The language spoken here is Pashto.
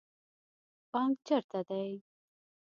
بانک چیرته دی؟